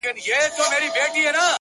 • درد چي سړی سو له پرهار سره خبرې کوي ـ